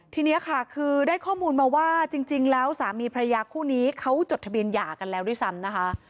ทีนี้ค่ะคือได้ข้อมูลมาว่าจริงแล้วสามีพระยาคู่นี้เขาจดทะเบียนหย่ากันแล้วด้วยซ้ำนะคะ